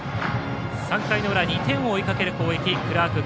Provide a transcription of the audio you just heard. ３回の裏、２点を追いかける攻撃。